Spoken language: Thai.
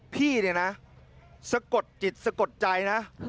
พี่เนี่ยนะสะกดจิตสะกดใจนะ